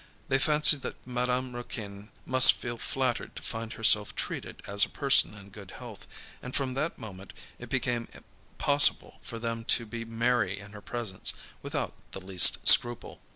They fancied that Madame Raquin must feel flattered to find herself treated as a person in good health; and, from that moment, it became possible for them to be merry in her presence, without the least scruple.